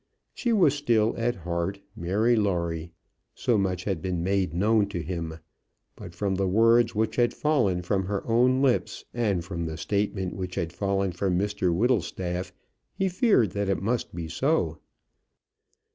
She was still, at heart, Mary Lawrie. So much had been made known to him. But from the words which had fallen from her own lips, and from the statement which had fallen from Mr Whittlestaff, he feared that it must be so.